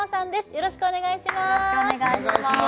よろしくお願いします